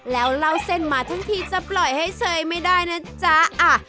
แล้วเล่าเส้นมาทั้งทีจะปล่อยให้เซยไม่ได้นะจ๊ะ